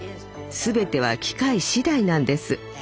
全ては機会次第なんです。